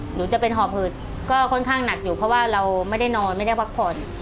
หนูจะเป็นหอบหืดก็ค่อนข้างหนักอยู่เพราะว่าเราไม่ได้นอนไม่ได้พักผ่อน